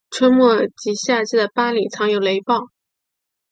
春末及夏季的巴里常有雷暴。